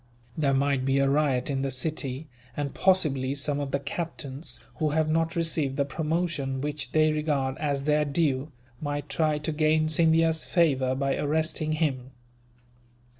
There might be a riot in the city and, possibly, some of the captains, who have not received the promotion which they regard as their due, might try to gain Scindia's favour by arresting him."